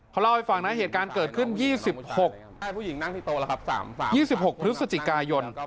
เขาเล่าให้ฟังนะที่เหตุการณ์เกิดขึ้น๒๖ปฏิสจิกายน